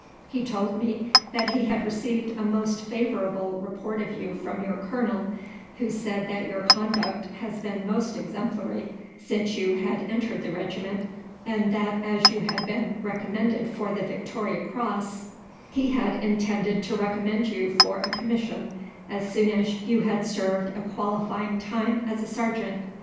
He told me that he had received a most favourable report of you from your colonel, who said that your conduct had been most exemplary since you had entered the regiment, and that as you had been recommended for the Victoria Cross he had intended to recommend you for a commission as soon as you had served a qualifying time as a sergeant.